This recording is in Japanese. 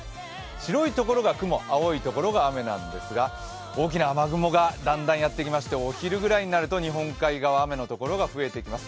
白い所が雲青い所が雨なんですが、大きな雨雲がだんだんやってきまして、お昼ぐらいになると日本海側、雨のところが増えてきます。